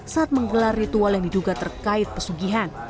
saat menggelar ritual yang diduga terkait pesugihan